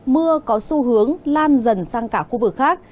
mưa có xu hướng lan dần sang cả khu vực khác